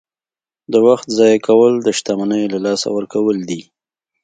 • د وخت ضایع کول د شتمنۍ له لاسه ورکول دي.